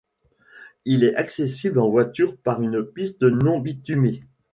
Il est accessible en voiture par une piste non bitumée.